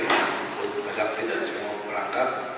saya lagi berhutang ke sakti dan semua perangkat